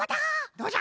どうじゃ？